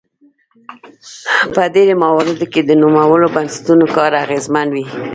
په ډیری مواردو کې د نوموړو بنسټونو کار اغیزمن وي.